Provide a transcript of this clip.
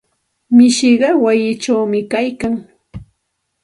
Mishiqa wayichawmi kaykan.